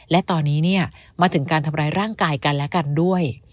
และตอนนี้มาถึงการทำร้ายร่างกายกันและกันด้วย